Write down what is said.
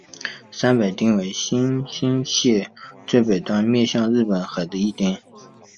山北町为新舄县最北端面向日本海的一町。